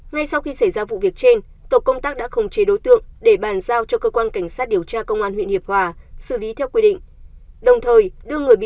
ngay sau khi xảy ra vụ việc trên tổ công tác đã khống chế đối tượng để bàn giao cho cơ quan cảnh sát điều tra công an huyện hiệp hòa xử lý theo quy định